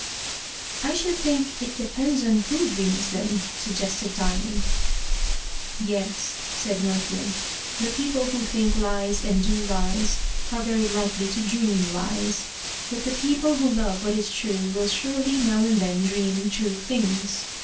"I should think it depends a little on who dreams them," suggested Diamond. "Yes," said North Wind. "The people who think lies, and do lies, are very likely to dream lies. But the people who love what is true will surely now and then dream true things.